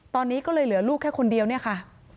ตอนนี้ก็เลยเหลือลูกแค่คนเดียวเนี่ยค่ะ